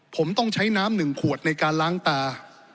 ผมต้องใช้น้ำ๑ขวดในการล้างตา